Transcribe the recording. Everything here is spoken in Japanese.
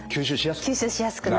吸収しやすく。